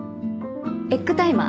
エッグタイマー？